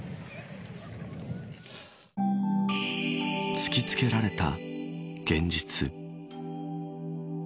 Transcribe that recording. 突き付けられた現実。